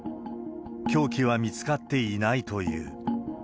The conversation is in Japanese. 凶器は見つかっていないという。